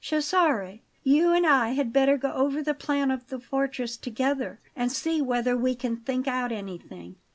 Cesare, you and I had better go over the plan of the fortress together, and see whether we can think out anything.